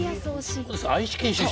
愛知県出身。